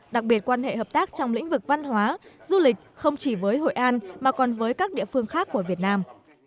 đặc biệt quan hệ hợp tác trong lĩnh vực văn hóa du lịch không chỉ với hội an mà còn với các địa phương khác của việt nam